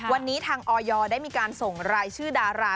วันนี้ทางออยได้มีการส่งรายชื่อดารา